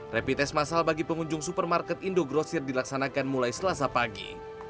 rapid test masal bagi pengunjung supermarket indo grosir dilaksanakan mulai selasa pagi